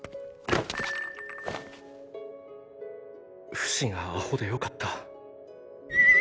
フシがアホでよかった。